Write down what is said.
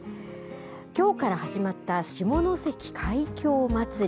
きょうから始まったしものせき海峡まつり。